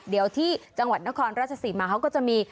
เดี๋ยวที่จังหวัดนครราชศรีมาเขาก็จะมี